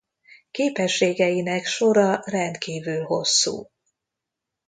Képességeinek sora rendkívül hosszú.